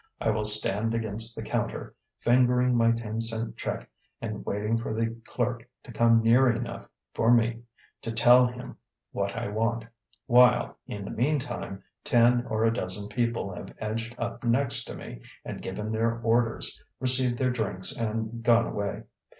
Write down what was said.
I will stand against the counter, fingering my ten cent check and waiting for the clerk to come near enough for me to tell him what I want, while, in the meantime, ten or a dozen people have edged up next to me and given their orders, received their drinks and gone away.